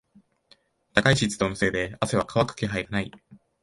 高い湿度のせいで汗は乾く気配はない。